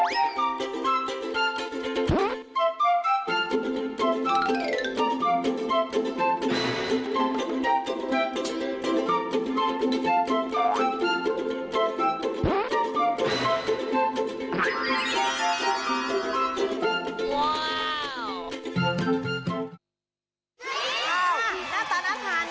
น่าตานักทานนะ